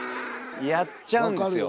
やっちゃうんですよ。